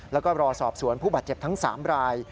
แล้วก็รอสอบสวนผู้บาดเจ็บทั้ง๓ราย